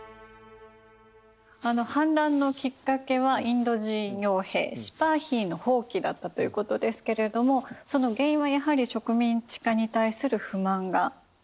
あの反乱のきっかけはインド人傭兵シパーヒーの蜂起だったということですけれどもその原因はやはり植民地化に対する不満がたまってという？